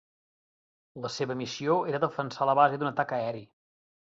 La seva missió era defensar la base d'un atac aeri.